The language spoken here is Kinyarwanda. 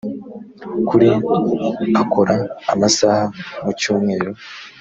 kuri akora amasaha mu cyumweru